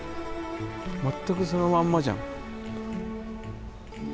全くそのまんまじゃん。